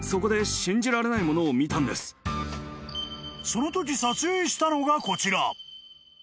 ［そのとき撮影したのがこちら］